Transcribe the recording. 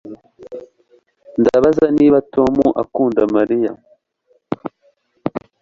ndabaza niba tom akunda mariya